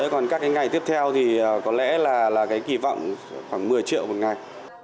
còn các cái ngày tiếp theo thì có lẽ là cái kỳ vọng khoảng một mươi triệu một ngày